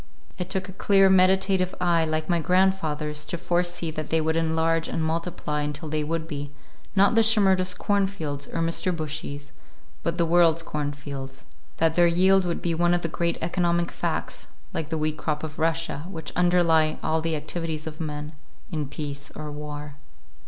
It took a clear, meditative eye like my grandfather's to foresee that they would enlarge and multiply until they would be, not the Shimerdas' cornfields, or Mr. Bushy's, but the world's cornfields; that their yield would be one of the great economic facts, like the wheat crop of Russia, which underlie all the activities of men, in peace or war.